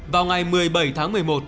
vào ngày một mươi bảy tháng một mươi một